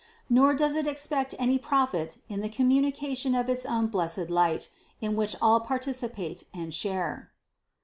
Nor does it expect any profit in the communication of its own blessed light, in which all participate and share.